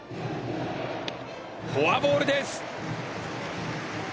フォアボールです。